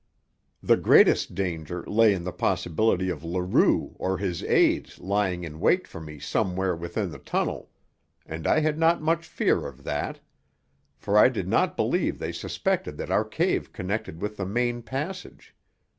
The greatest danger lay in the possibility of Leroux or his aids lying in wait for me somewhere within the tunnel, and I had not much fear of that, for I did not believe they suspected that our cave connected with the main passage.